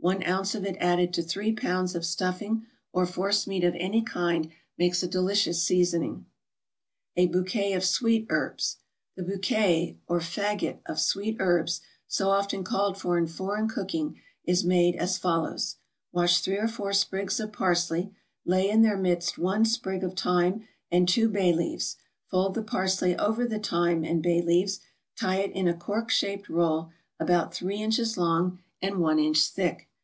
One ounce of it added to three pounds of stuffing, or forcemeat of any kind, makes a delicious seasoning. =A bouquet of Sweet herbs.= The bouquet, or fagot, of sweet herbs, so often called for in foreign cooking, is made as follows: wash three or four sprigs of parsley, lay in their midst one sprig of thyme, and two bay leaves; fold the parsley over the thyme and bay leaves, tie it in a cork shaped roll, about three inches long and one inch thick.